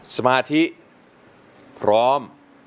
สมาธิพร้อม